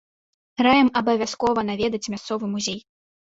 Раім абавязкова наведаць мясцовы музей.